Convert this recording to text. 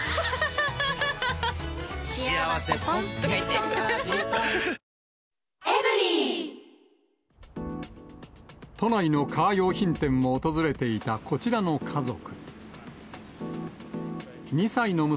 ただ、都内のカー用品店を訪れていたこちらの家族。